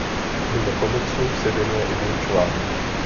Mimo komiksu se věnuje i vyučování.